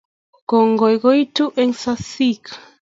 Kongoi koitu eng saishek